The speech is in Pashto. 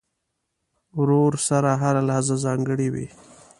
ورور سره هره لحظه ځانګړې وي.